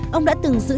cũng rất đặc biệt